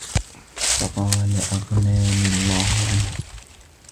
فَقَالَ أَغْنَانِي اللَّهُ عَنْهُمْ